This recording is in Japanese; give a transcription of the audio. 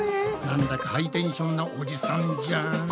なんだかハイテンションなおじさんじゃん。